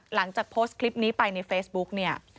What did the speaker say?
หลังจากโพสต์คลิปนี้ไปในเฟซบุ๊กเนี่ย